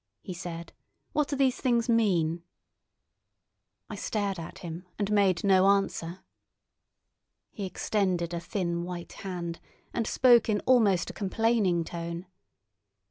he said. "What do these things mean?" I stared at him and made no answer. He extended a thin white hand and spoke in almost a complaining tone.